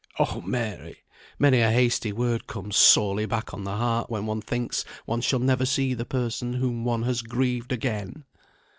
Oh Mary! many a hasty word comes sorely back on the heart, when one thinks one shall never see the person whom one has grieved again!"